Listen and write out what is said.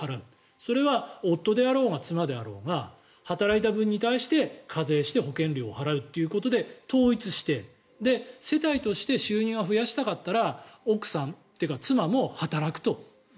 それは夫であろうが妻であろうが働いた分に対して課税して保険料を払うということで統一して、世帯として収入を増やしたかったら奥さんというか妻も働くと。